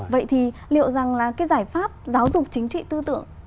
vậy thì liệu rằng là cái giải pháp giáo dục chính trị tư tưởng